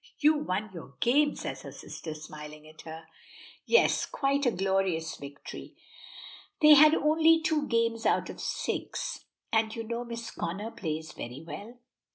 "You won your game?" says her sister, smiling at her. "Yes, quite a glorious victory. They had only two games out of the six; and you know Miss Connor plays very well."